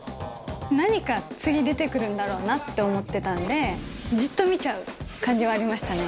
何か次、出てくるんだろうなって思ってたんで、じっと見ちゃう感じはありましたね。